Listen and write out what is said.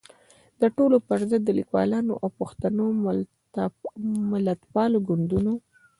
د تړلو پر ضد د ليکوالانو او پښتنو ملتپالو ګوندونو